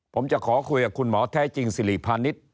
ผมจะขอคุยกับคุณหมอแท้จริงสิริพาณิชย์